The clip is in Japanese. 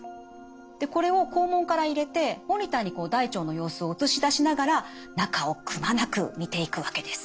これを肛門から入れてモニターに大腸の様子を映し出しながら中をくまなく見ていくわけです。